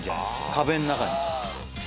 壁ん中に。